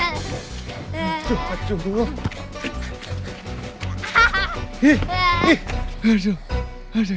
aduh kacau dulu